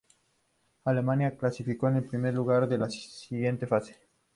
Alemania clasificó en primer lugar a la siguiente fase.